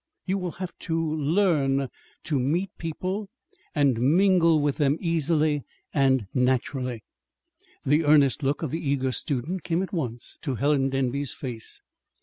"You will have to to learn to meet people and mingle with them easily and naturally." The earnest look of the eager student came at once to Helen Denby's face.